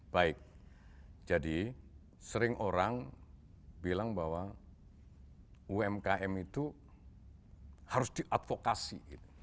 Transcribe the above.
baik jadi sering orang bilang bahwa umkm itu harus diadvokasi